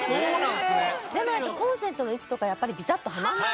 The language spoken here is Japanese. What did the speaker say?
でないとコンセントの位置とかやっぱりビタッとハマらない。